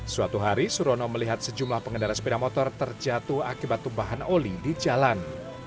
suatu hari surono melihat sejumlah pengendara sepeda motor terjatuh akibat tumpahan oli di jalan